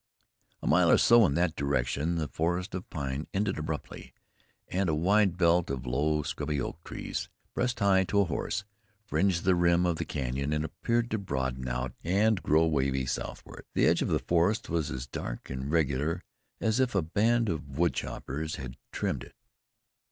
A mile or so in that direction, the forest of pine ended abruptly, and a wide belt of low, scrubby old trees, breast high to a horse, fringed the rim of the canyon and appeared to broaden out and grow wavy southward. The edge of the forest was as dark and regular as if a band of woodchoppers had trimmed it.